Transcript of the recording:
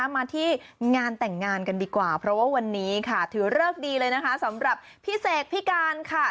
มาที่งานแต่งงานกันดีกว่าเพราะว่าวันนี้ค่ะถือเลิกดีเลยนะคะสำหรับพี่เสกพี่การค่ะ